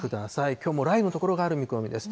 きょうも雷雨の所がある見込みです。